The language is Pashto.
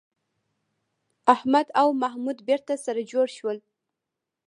احمد او محمود بېرته سره جوړ شول.